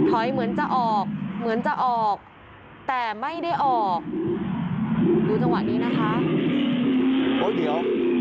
เหมือนจะออกเหมือนจะออกแต่ไม่ได้ออกดูจังหวะนี้นะคะโอ้เดี๋ยว